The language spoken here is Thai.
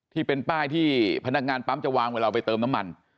ที่เป็นป้ายที่พนักงานปั๊มจะวางเวลาไปเติมน้ำมัน